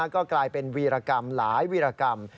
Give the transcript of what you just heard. ก็กลายเป็นวีรกรรมหลายวีรกรรม